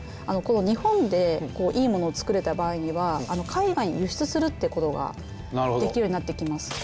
こうこの日本でいいものを作れた場合には海外に輸出するってことができるようになってきます。